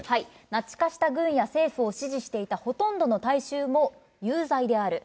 ナチ化した軍や政府を支持していたほとんどの大衆も、有罪である。